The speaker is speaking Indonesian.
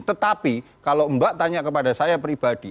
tetapi kalau mbak tanya kepada saya pribadi